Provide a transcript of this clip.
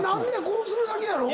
こうするだけやろ⁉